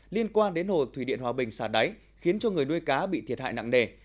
liên quan đến hồ thủy điện hòa bình xả đáy khiến cho người nuôi cá bị thiệt hại nặng nề